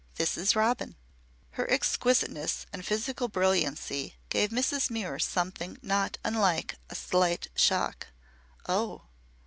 This is Robin." Her exquisiteness and physical brilliancy gave Mrs. Muir something not unlike a slight shock. Oh!